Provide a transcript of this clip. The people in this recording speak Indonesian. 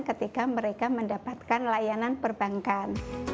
ketika mereka mendapatkan layanan perbankan